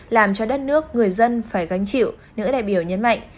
làm cho đất nước người dân phải gánh chịu nữ đại biểu nhấn mạnh